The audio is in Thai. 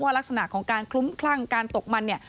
ว่ารักษณะของการคลุ้มคลั่งการตกมัน